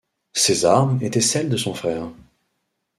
Ses armes étaient celles de son frère.